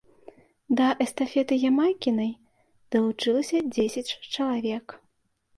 Да эстафеты Ямайкінай далучылася дзесяць чалавек.